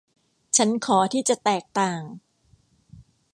ฉันขอที่จะแตกต่าง